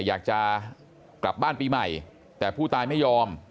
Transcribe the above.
อยากจะกลับบ้านปีใหม่แต่ผู้ตายไม่ยอม